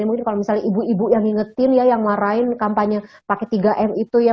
mungkin kalau misalnya ibu ibu yang ingetin ya yang marahin kampanye pakai tiga m itu ya